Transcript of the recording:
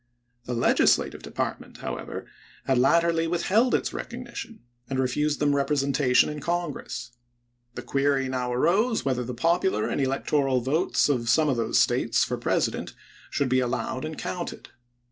The Legislative Department, how ever, had latterly withheld its recognition, and refused them representation in Congress. The query now arose whether the popular and electoral votes of some of those States for President should be allowed and counted.